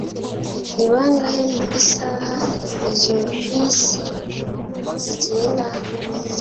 Ni bangahe mu isaha izo bisi zigenda?